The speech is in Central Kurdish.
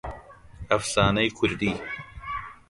ئەفسانەی کوردی